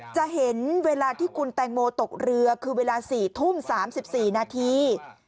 จะเห็นเวลาที่คุณแตงโมตกเรือคือเวลา๔ทุ่ม๓๔นาที